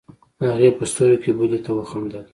هغې په سترګو کې بلې ته وخندلې.